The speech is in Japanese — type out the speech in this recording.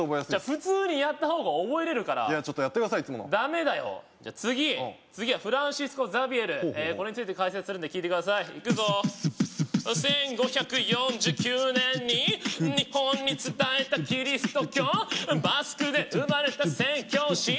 普通にやった方が覚えれるからちょっとやってくださいいつものダメだよじゃあ次次はフランシスコ・ザビエルこれについて解説するんで聞いてくださいいくぞ１５４９年に日本に伝えたキリスト教バスクで生まれた宣教師